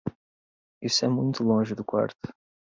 Isso é muito longe do quarto.